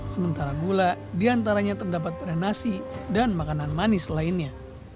sementara gula diantaranya terdapat pada nasi dan makanan manis lainnya